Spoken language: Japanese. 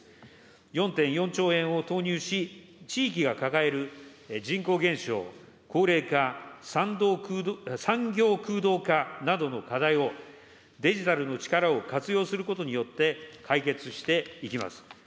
４．４兆円を投入し、地域が抱える人口減少、高齢化、産業空洞化などの課題を、デジタルの力を活用することによって、解決していきます。